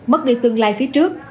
mất đi tương lai phía trước